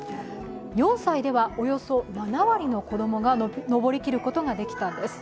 ４歳では、およそ７割の子供が登り切ることができたんです。